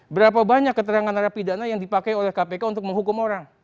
berapa banyak keterangan narapidana yang dipakai oleh kpk untuk menghukum orang